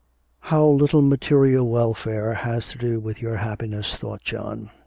'How little material welfare has to do with our happiness,' thought John.